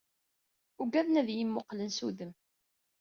Ugaden ad iyi-mmuqqlen s udem.